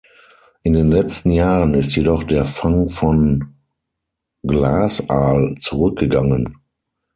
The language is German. In den letzten Jahren ist jedoch der Fang von Glasaal zurückgegangen.